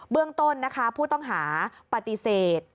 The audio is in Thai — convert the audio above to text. เรื่องต้นนะคะผู้ต้องหาปฏิเสธ